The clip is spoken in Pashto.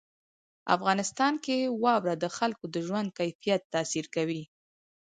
افغانستان کې واوره د خلکو د ژوند کیفیت تاثیر کوي.